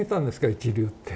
一流って。